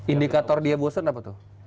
indikator dia bosen apa tuh